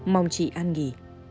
mong chị ăn nghỉ